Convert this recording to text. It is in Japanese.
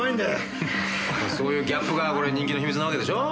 そういうギャップが人気の秘密なわけでしょ？